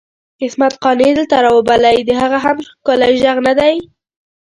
عصمت قانع دلته راوبلئ د هغه هم ښکلی ږغ ندی؟!